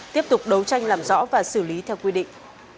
tiếp tục đấu tranh làm rõ và xử lý theo quy định